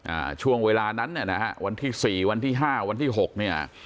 อ่าช่วงเวลานั้นเนี่ยนะฮะวันที่สี่วันที่ห้าวันที่หกเนี่ย